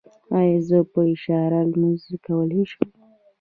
ایا زه په اشاره لمونځ کولی شم؟